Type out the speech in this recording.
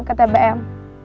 ketemu di tbm